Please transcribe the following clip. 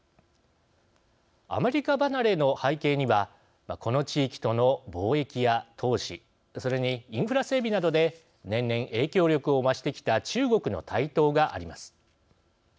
アメリカ離れの背景にはこの地域との貿易や投資それにインフラ整備などで年々影響力を増してきた中国の台頭があります。